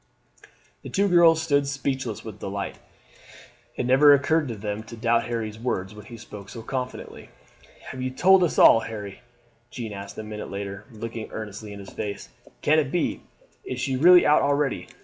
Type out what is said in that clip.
The two girls stood speechless with delight. It never occurred to them to doubt Harry's words when he spoke so confidently. "Have you told us all, Harry?" Jeanne asked a minute later, looking earnestly in his face. "Can it be? Is she really out already?"